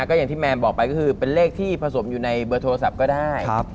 ก็อย่างที่แมนบอกไปก็คือเป็นเลขที่ผสมอยู่ในเบอร์โทรศัพท์ก็ได้